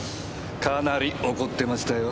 かなり怒ってましたよ。